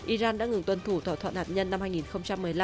iran đã ngừng tuân thủ thỏa thuận hạt nhân năm hai nghìn một mươi năm